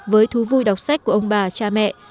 với thú vui đọc sách của ông bà cha mẹ